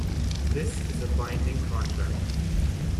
This is a binding contract.